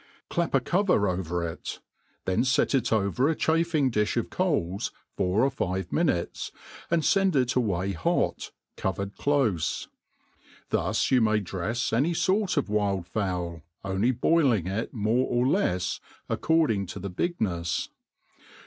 Clap a Cover over it; then fet it over a chafing difh of coals four or five minutes, and fend it away hot, cove]:ed dofe. Thus you may drefs any fort of wild fowl, only boiling ft more or lefs, according to the bignefs.